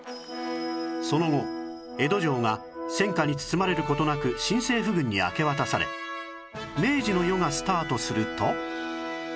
その後江戸城が戦火に包まれる事なく新政府軍に明け渡され明治の世がスタートすると